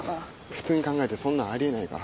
普通に考えてそんなんあり得ないから。